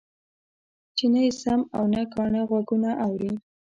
چې نه يې سم او نه کاڼه غوږونه اوري.